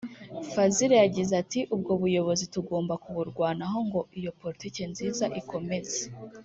Fazil yagize ati ”Ubwo buyobozi tugomba kuburwanaho ngo iyo politiki nziza ikomeze’’